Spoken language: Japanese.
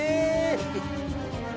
えっ！